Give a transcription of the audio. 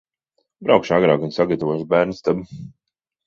Braukšu agrāk un sagatavošu bērnistabu.